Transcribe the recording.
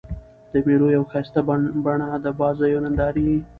د مېلو یوه ښایسته بڼه د بازيو نندارې يي.